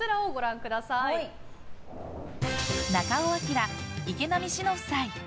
中尾彬、池波志乃夫妻。